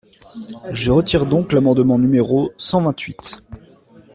Je retire donc l’amendement numéro cent vingt-huit.